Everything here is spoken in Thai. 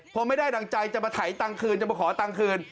พอไม่ได้ดั่งใจจะมาไถต่างคืนจะมาขอต่างคืน